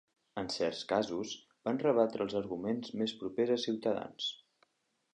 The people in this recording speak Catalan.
En certs casos, van rebatre els arguments més propers a Ciutadans.